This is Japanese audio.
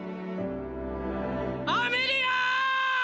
アメリア！